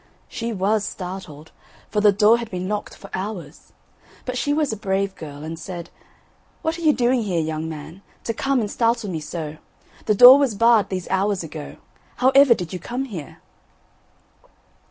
She was startled, for the door had been locked for hours. But she was a brave girl and said: "What are you doing here, young man, to come and startle me so? The door was barred these hours ago; how ever did you come here?"